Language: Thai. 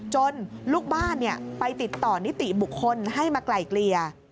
ลูกบ้านไปติดต่อนิติบุคคลให้มาไกลเกลี่ย